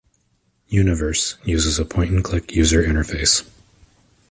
"Universe" uses a point and click user interface.